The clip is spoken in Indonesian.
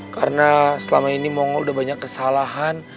karena selama ini mongol udah banyak kesalahan